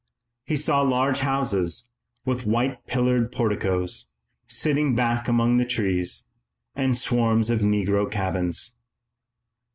He saw large houses, with white pillared porticos, sitting back among the trees, and swarms of negro cabins.